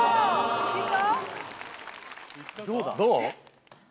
どうだ？どう？